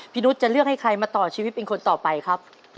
นุษย์จะเลือกให้ใครมาต่อชีวิตเป็นคนต่อไปครับ